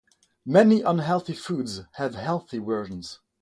Many unhealthy foods have healthy versions.